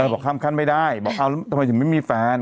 เออบอกค้ำคันไม่ได้บอกเอาแล้วทำไมยังไม่มีแฟน